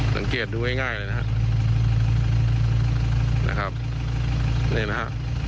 สังเกตดูง่ายง่ายเลยนะฮะนะครับนี่นะฮะ